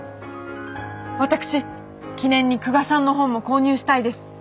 私記念に久我さんの本も購入したいです。